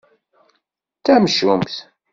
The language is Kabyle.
D tamcumt.